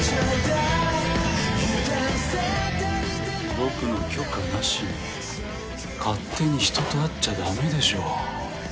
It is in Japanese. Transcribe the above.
僕の許可なしに勝手に人と会っちゃ駄目でしょう。